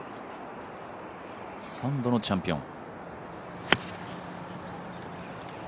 ３度のチャンピオン。